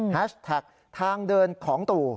แท็กทางเดินของตู่